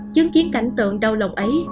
chứng kiến cảnh tượng đau lòng ấy